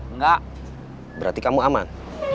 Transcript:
enggak berarti kamu aman